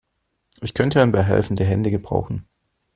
Ich könnte ein paar helfende Hände gebrauchen.